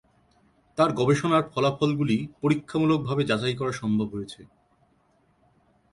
তার গবেষণার ফলাফলগুলি পরীক্ষামূলকভাবে যাচাই করা সম্ভব হয়েছে।